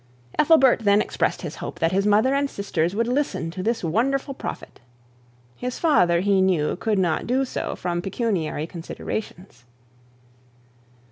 Ethelbert then expressed his hope that his mother and sisters would listen to this wonderful prophet. His father he knew could not do so from pecuniary considerations.